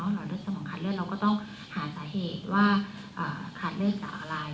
หรือสมองขาดเลือดเราก็ต้องหาสาเหตุว่าขาดเลือดจากอะไร